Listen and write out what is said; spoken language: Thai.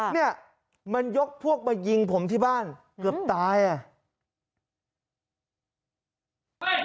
เนี่ยมันยกพวกมายิงผมที่บ้านเกือบตายอ่ะ